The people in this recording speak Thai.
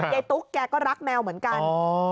ตุ๊กแกก็รักแมวเหมือนกัน